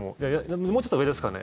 もうちょっと上ですかね？